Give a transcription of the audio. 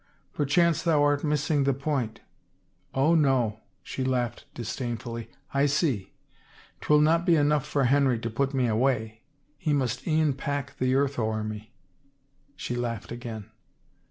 Perchance thou art missing the point." Oh, no." She laughed disdainfully. " I see. TwiU not be enough for Henry to put me away — he must e'en pack the earth over me." She laughed again.